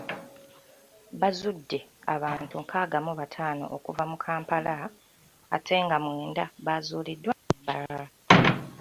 Bazudde abantu nkaaga mu bataano okuva mu Kampala, ate nga mwenda baazuuliddwa e Mbarara.